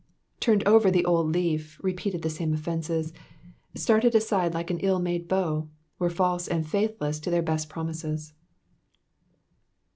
''' Turned over the old leaf, repeated the same oflfenees, started aside like an ill made bow, were false and faithless to their best promises.